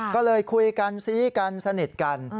ก็เลยคุยกันซี้กันสนิทกัน